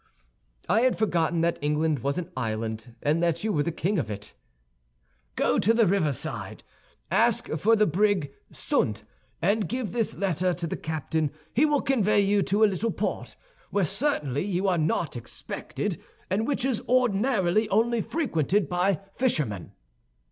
"I had forgotten that England was an island, and that you were the king of it." "Go to the riverside, ask for the brig Sund, and give this letter to the captain; he will convey you to a little port, where certainly you are not expected, and which is ordinarily only frequented by fishermen."